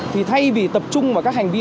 thì thay vì tập trung vào các hành vi